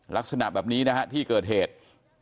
ลักษณะแบบนี้นะฮะที่เกิดเหตุ